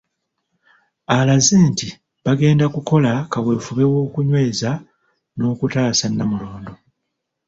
Alaze nti bagenda kukola kaweefube w'okunyweza n'okutaaasa Nnamulondo.